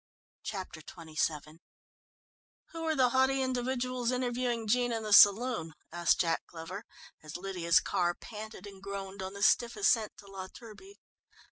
Chapter XXVII "Who were the haughty individuals interviewing Jean in the saloon?" asked Jack Glover, as Lydia's car panted and groaned on the stiff ascent to La Turbie.